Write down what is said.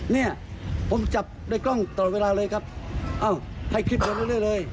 เนี่ยผมจับด้วยกล้องตลอดเวลาเลยครับให้คลิปกันเรื่อยเลย